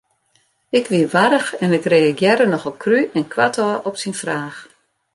Ik wie warch en ik reagearre nochal krú en koartôf op syn fraach.